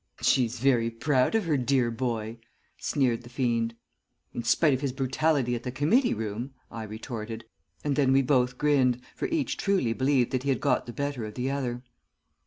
"'She's very proud of her dear boy,' sneered the fiend. "'In spite of his brutality at the committee room,' I retorted; and then we both grinned, for each truly believed that he had got the better of the other."